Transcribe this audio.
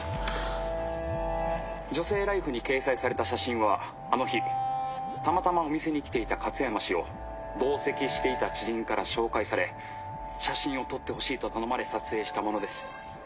「『女性ＬＩＦＥ』に掲載された写真はあの日たまたまお店に来ていた勝山氏を同席していた知人から紹介され写真を撮ってほしいと頼まれ撮影したものです。